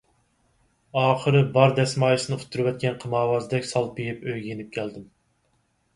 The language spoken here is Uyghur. ئاخىرى بار دەسمايىسىنى ئۇتتۇرۇۋەتكەن قىمارۋازدەك سالپىيىپ ئۆيگە يېنىپ كەلدىم.